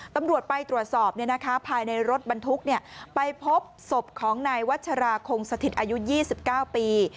ตำรวจไปตรวจสอบภายในรถบรรทุกไปพบศพของนายวัชราคงสถิตอายุ๒๙ปี